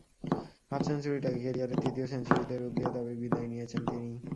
Half সেঞ্চুরিটাকে ক্যারিয়ারের তৃতীয় সেঞ্চুরিতে রূপ দিয়ে তবেই বিদায় নিয়েছেন তিনি।